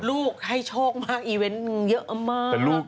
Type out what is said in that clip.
ลูกให้โชคมากอีเวนต์เยอะมาก